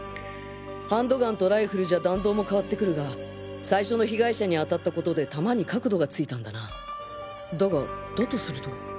ハンドガンとライフルじゃ弾道も変わってくるが最初の被害者に当たったことで弾に角度がついたんだなだがだとすると